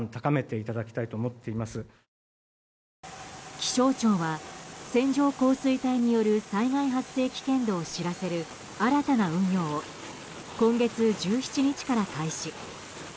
気象庁は線状降水帯による災害発生危険度を知らせる新たな運用を今月１７日から開始。